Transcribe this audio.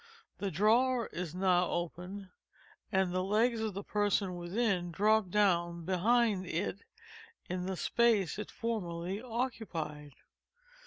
The drawer is now opened, and the legs of the person within drop down behind it in the space it formerly occupied.